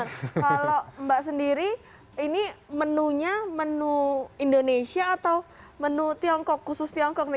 kalau mbak sendiri ini menunya menu indonesia atau menu tiongkok khusus tiongkok nih